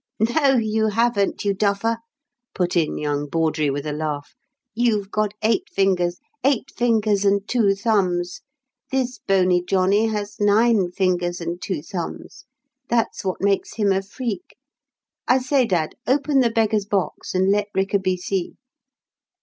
"No, you haven't, you duffer!" put in young Bawdrey, with a laugh. "You've got eight fingers eight fingers and two thumbs. This bony johnny has nine fingers and two thumbs. That's what makes him a freak. I say, dad, open the beggar's box, and let Rickaby see."